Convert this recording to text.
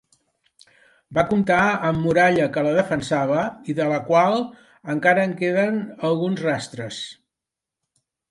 Va comptar amb muralla que la defensava i de la qual encara queden alguns rastres.